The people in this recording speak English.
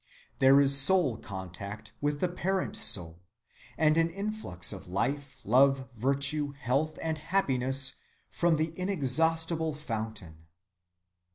There is soul‐contact with the Parent‐Soul, and an influx of life, love, virtue, health, and happiness from the Inexhaustible Fountain."